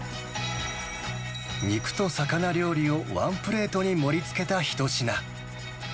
肉と魚料理をワンプレートに盛りつけた一品。